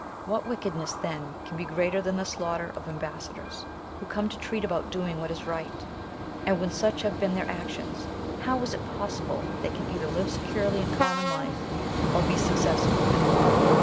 What wickedness then can be greater than the slaughter of ambassadors, who come to treat about doing what is right? And when such have been their actions, how is it possible they can either live securely in common life, or be successful in war?